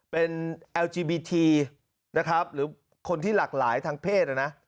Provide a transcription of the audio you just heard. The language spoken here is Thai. เป็นแอลจีบีทีนะครับหรือคนที่หลากหลายทางเพศนะ